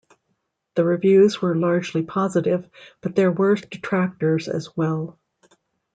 The reviews were largely positive, but there were detractors as well.